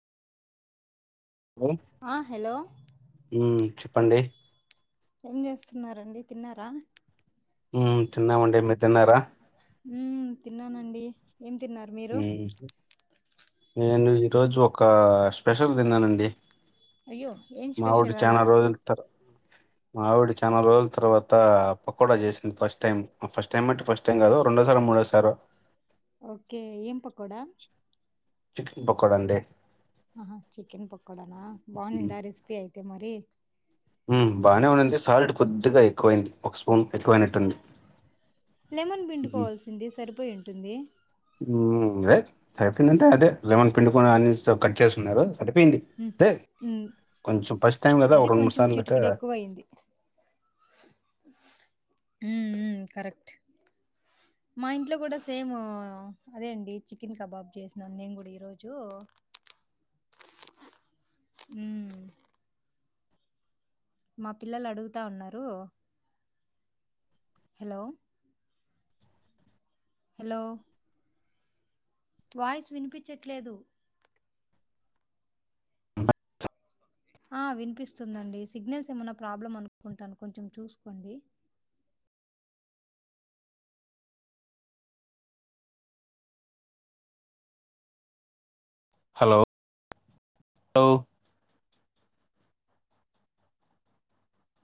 Hello ఆ hello ఊ చెప్పండి ఏం చేస్తున్నారండి తిన్నారా తిన్నామండి మీరు తిన్నారా ఉమ్ తిన్నానండి ఏం తిన్నారు మీరు ఉమ్ నేను ఈరోజు ఒక స్పెషల్ తిన్నానండి. అయ్యో ఏం మా ఓడు స్పెషల్ అలా చాలా రోజులుతార మావిడి చాలా రోజుల తర్వాత పకోడా చేసింది. ఫస్ట్ టైం ఫస్ట్ టైం అంటే ఫస్ట్ టైం కాదు. రెండో సార్ మూడో సారు ఓకే ఏం పకోడా చికె పకోడా అండి ఆహా చికెన్ పకోడానా బానిందా రెసిపి అయితే మరి ఉ బానే ఉంది సాల్ట్ కొద్దిగా ఎక్కువైంది. ఒక స్పూన్ ఎక్కువైనట్టుంది. లెమన్ ఉమ్ బిండుకోవాల్సింది సరిపోయి ఉంటుంది. దే ఫైఫ్టీన్ అంటే అదే లెమన్ పిండుకోని అన్నియన్స్ తో కట్ చేస్తున్నారు. మ్మ్ మ్మ్ కొంచం ఫస్ట్ టైం కదా అది రెండు మూడు కొంచెం సార్లుట చిటికుడు ఎక్కువ అయింది ఉ ఊ కరెక్ట్ అ మా ఇంట్లో కూడా సేమ్ అదే అండి. చికెన్ కబాబ్ చేసినాను నేను కూడా ఈరోజు. అ ఊ మా పిల్లలు అడుగుతా ఉన్నారు. హలో హలో వాయిస్ వినిపించట్లేదు. ఆ వినిపిస్తుందండి. సిగ్నల్స్ ఏమన్నా ప్రాబ్లం అనుకుంటాను. కొంచెం చూసుకోండి. Hello hello